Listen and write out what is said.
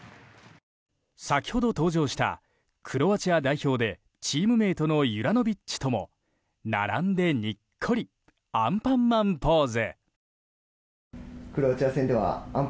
先ほど登場したクロアチア代表でチームメートのユラノビッチとも並んでにっこりアンパンマンポーズ。